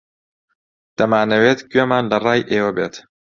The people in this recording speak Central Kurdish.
دەمانەوێت گوێمان لە ڕای ئێوە بێت.